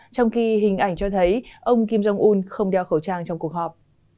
trong khi hình ảnh cho thấy ông kim jong un không đeo khẩu trang trong cuộc họp